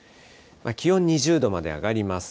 気温２０度まで上がります。